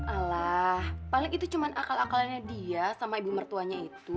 alah paling itu cuma akal akalannya dia sama ibu mertuanya itu